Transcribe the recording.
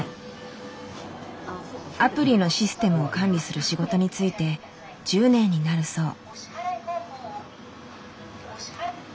アプリのシステムを管理する仕事に就いて１０年になるそう。